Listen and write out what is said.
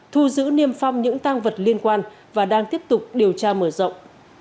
thu giữ niêm phong những tăng vật liên quan và đang tiếp tục điều tra mở rộng